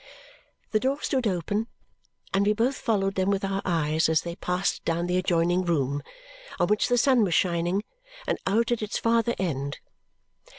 The door stood open, and we both followed them with our eyes as they passed down the adjoining room, on which the sun was shining, and out at its farther end.